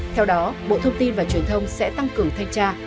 theo đó bộ thông tin và truyền thông sẽ tăng cường thanh tra